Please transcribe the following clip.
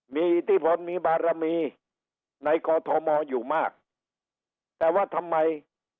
มีอิทธิพลมีบารมีในกอทมอยู่มากแต่ว่าทำไม